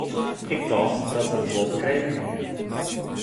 Ik tocht dat er it wol begrepen hie.